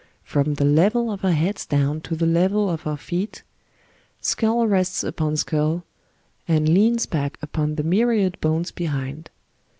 From the level of our heads down to the level of our feet^ skull rests upon skull, and leans back upon the myriad bones behind.